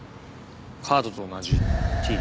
カードと同じＴ。